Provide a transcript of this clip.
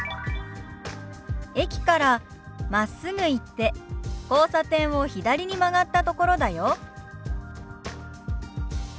「駅からまっすぐ行って交差点を左に曲がったところだよ」。